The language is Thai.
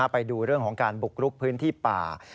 ไปดูเรื่องของการบุกรุกพื้นที่ป่า